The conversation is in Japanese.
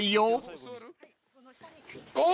お！